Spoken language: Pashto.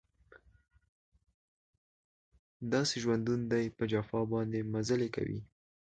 داسې ژوندون دی په جفا باندې مزلې کوي